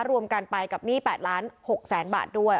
รวมกันไปกับหนี้๘๖๐๐๐๐๐บาทด้วย